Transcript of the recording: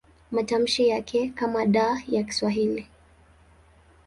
Matamshi yake ni kama D ya Kiswahili.